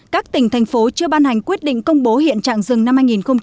các tỉnh thành phố chưa ban hành quyết định công bố hiện trạng rừng năm hai nghìn hai mươi